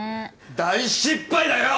大失敗だよ！